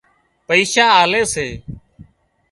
پئيشا آلي سي